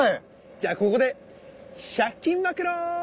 じゃあここで１００均マクロ！